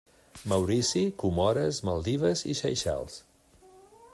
Maurici, Comores, Maldives i Seychelles.